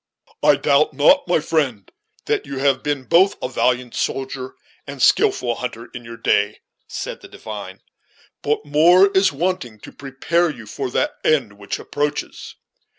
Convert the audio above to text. "I doubt not, my friend, that you have been both a valiant soldier and skilful hunter in your day," said the divine; "but more is wanting to prepare you for that end which approaches.